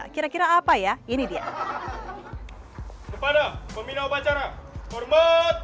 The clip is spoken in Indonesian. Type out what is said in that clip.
nah kira kira apa ya ini dia